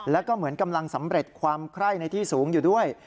แล้วก็เหมือนกำลังสำเร็จความไคร้ในที่สูงอยู่ด้วย